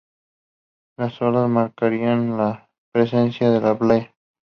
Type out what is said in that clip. Las olas marcarían la presencia de la playa.